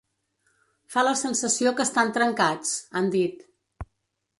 Fa la sensació que estan trencats, han dit.